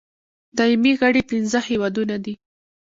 دایمي غړي پنځه هېوادونه دي.